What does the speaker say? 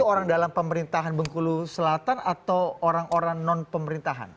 itu orang dalam pemerintahan bengkulu selatan atau orang orang non pemerintahan